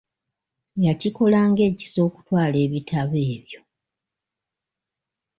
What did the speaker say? Yakikola ng'ekisa okutwala ebitabo ebyo.